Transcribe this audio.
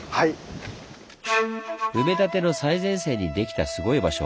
埋め立ての最前線にできたすごい場所